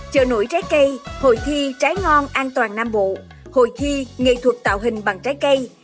chợ nổi trái cây hội thi trái ngon an toàn nam bộ hội thi nghệ thuật tạo hình bằng trái cây